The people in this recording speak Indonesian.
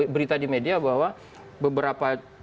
berita di media bahwa beberapa